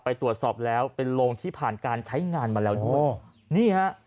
ไปตรวจสอบแล้วเป็นโรงที่ผ่านการใช้งานมาแล้วด้วยนี่ฮะ